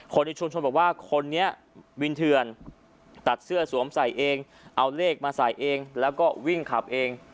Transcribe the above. ในชุมชนบอกว่าคนนี้วินเทือนตัดเสื้อสวมใส่เองเอาเลขมาใส่เองแล้วก็วิ่งขับเอง